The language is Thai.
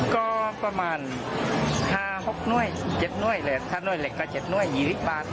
ก็ประมาณ๕๖น้วย๗น้วยถ้าน้วยเหล็กก็๗น้วย๒๐บาท